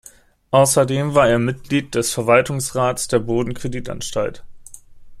Außerdem war er Mitglied des Verwaltungsrats der Bodencreditanstalt.